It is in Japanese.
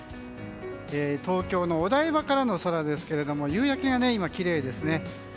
東京のお台場からの空ですけれども夕焼けが今、きれいですね。